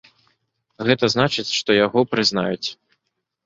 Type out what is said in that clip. Гэта значыць, што яго прызнаюць.